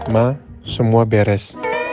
ma semua beres